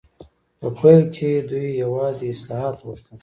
په پیل کې دوی یوازې اصلاحات غوښتل.